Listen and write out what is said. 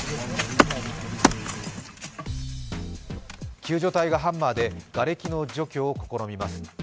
救助隊がハンマーでがれきの除去を試みます。